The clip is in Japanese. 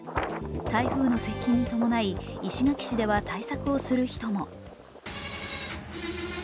台風に接近に伴い、石垣市では対策をする人も。